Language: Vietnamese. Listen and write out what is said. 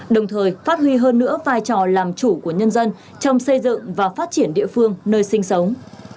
đồng thời phát huy hơn nữa vai trò làm chủ của nhân dân trong xây dựng và phát triển địa phương nơi sinh sống